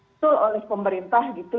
itu oleh pemerintah gitu